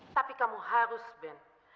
tapi kamu harus ben